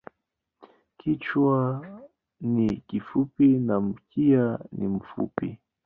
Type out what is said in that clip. Kichwa ni kifupi na mkia ni mfupi.